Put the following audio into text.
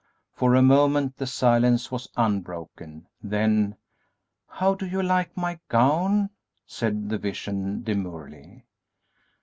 For a moment the silence was unbroken; then, "How do you like my gown?" said the Vision, demurely.